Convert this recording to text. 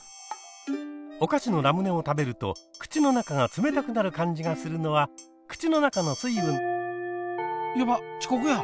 おかしのラムネを食べると口の中が冷たくなる感じがするのは口の中の水分。やばっちこくや！